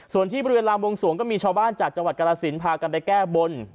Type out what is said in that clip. ส่วนที่บริเวณลามวงสวงก็มีชาวบ้านจากจังหวัดกรสินพากันไปแก้บน